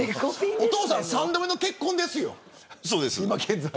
お父さん３度目の結婚ですよ、今現在。